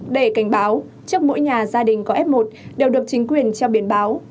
để cảnh báo trước mỗi nhà gia đình có f một đều được chính quyền treo biển báo